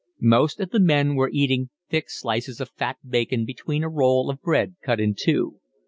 Most of the men were eating thick slices of fat bacon between a roll of bread cut in two.